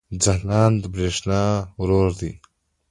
ځلاند د برېښنا ورور دی